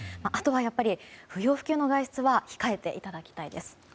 あとは、不要不急の外出は控えていただきたいです。